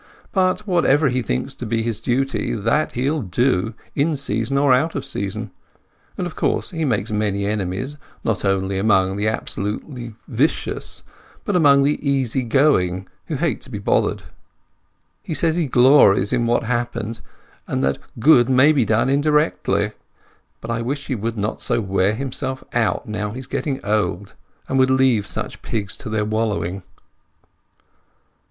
But whatever he thinks to be his duty, that he'll do, in season or out of season; and, of course, he makes many enemies, not only among the absolutely vicious, but among the easy going, who hate being bothered. He says he glories in what happened, and that good may be done indirectly; but I wish he would not wear himself out now he is getting old, and would leave such pigs to their wallowing."